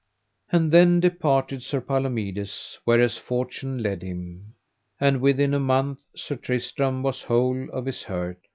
And then departed Sir Palomides whereas fortune led him, and within a month Sir Tristram was whole of his hurt.